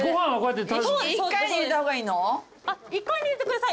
１回で入れてください。